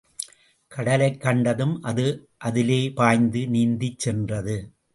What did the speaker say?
கடலைக் கண்டதும் அது அதிலே பாய்ந்து நீந்திச் சென்றது.